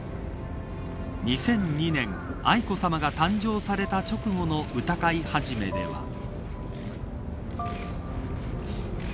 ２００２年愛子さまが誕生された直後の歌会始では。